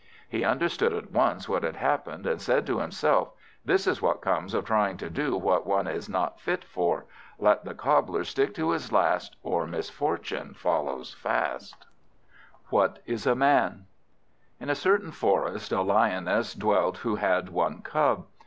He understood at once what had happened, and said to himself, "This is what comes of trying to do what one is not fit for. Let the cobbler stick to his last, or misfortune follows fast." What is a Man? IN a certain forest, a Lioness dwelt who had one cub.